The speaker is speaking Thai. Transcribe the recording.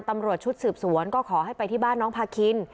ตำรวจชุดสืบสวนก็ขอให้ไปที่บ้านน้องพาคิน